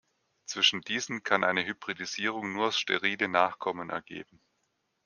Zwischen diesen kann eine Hybridisierung nur sterile Nachkommen ergeben.